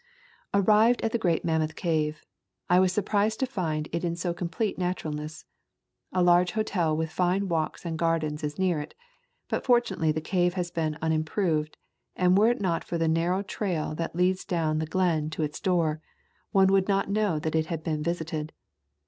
Arrived at the great Mammoth Cave. I was surprised to find it in so complete naturalness. A large hotel with fine walks and gardens is near it. But fortunately the cave has been un improved, and were it not for the narrow trail that leads down the glen to its door, one would not know that it had been visited.